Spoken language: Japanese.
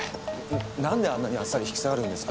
何であんなにあっさり引き下がるんですか？